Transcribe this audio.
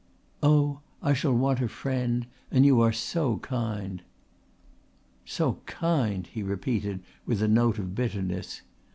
"Oh, I shall want a friend and you are so kind." "So kind!" he repeated with a note of bitterness.